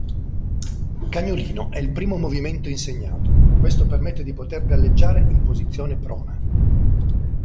Cagnolino: è il primo movimento insegnato, questo permette di poter galleggiare in posizione prona.